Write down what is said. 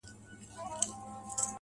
په دې وطن کي په لاسونو د ملا مړ سوم,